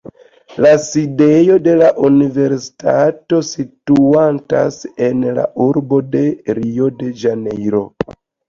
La sidejo de la universitato situantas en la urbo de Rio-de-Ĵanejro.